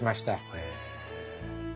へえ。